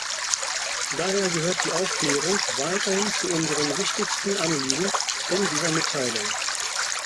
Daher gehört die Aufklärung weiterhin zu unseren wichtigsten Anliegen in dieser Mitteilung.